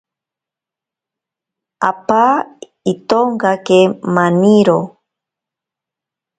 Apa itonkake maniro.